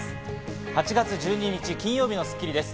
８月１２日、金曜日の『スッキリ』です。